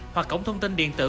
hoặc cổng thông tin điện tử